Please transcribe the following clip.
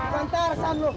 gantar arsan lo